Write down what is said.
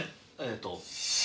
えっと。